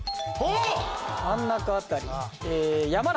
真ん中辺り山梨。